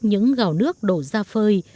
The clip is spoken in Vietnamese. những gạo nước đổ ra phơi